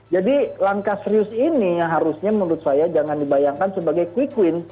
jadi langkah serius ini harusnya menurut saya jangan dibayangkan sebagai quick win